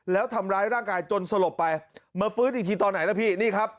แล้วทำร้ายร่างกายจนสลบไปมาฟื้นอีกทีตอนไหนล่ะพี่นี่ครับ